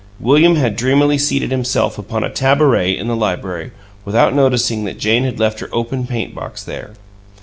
William had dreamily seated himself upon a tabouret in the library, without noticing that Jane had left her open paint box there.